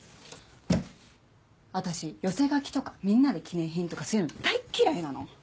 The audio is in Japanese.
私寄せ書きとかみんなで記念品とかそういうの大嫌いなの。